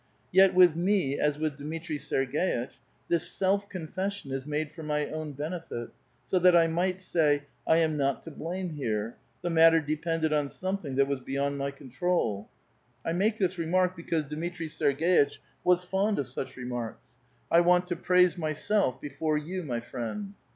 Yet, with me as with Dmitri Serg^itch, this self confession is made for my own benefit, 80 that 1 might say, ^^ I am not to blame here ; the matter depended on something that was beyond my control." I make this remark because Dmitri 8erg6itch was fond of such remarks. I want to praise myself before you, my friend.